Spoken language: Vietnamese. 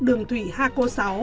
đường thủy hạ cô sáu